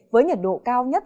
với nhiệt độ cao nhất